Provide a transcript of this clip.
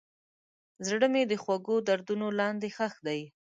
زړه مې د خوږو دردونو لاندې ښخ دی.